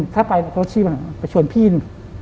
ถ้าไปก็ชวนพี่น